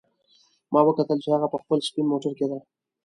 ما وکتل چې هغه په خپل سپین موټر کې ده